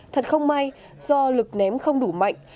thật không may do lực ném không đủ mạnh